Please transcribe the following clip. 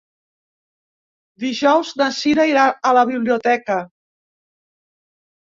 Dijous na Cira irà a la biblioteca.